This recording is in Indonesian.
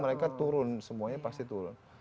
mereka turun semuanya pasti turun